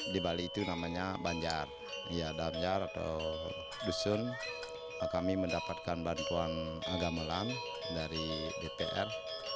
di bali itu namanya banjar atau dusun kami mendapatkan bantuan gamelan dari dpr